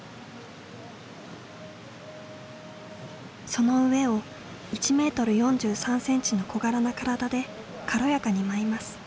その上を１メートル４３センチの小柄な体で軽やかに舞います。